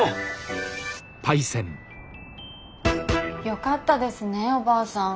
よかったですねおばあさん。